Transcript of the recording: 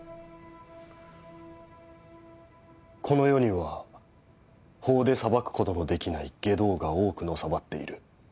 「この世には法で裁くことのできない外道が多くのさばっている」